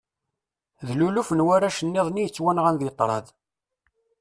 D luluf n warrac-nniḍen i yettwanɣan deg tṛad.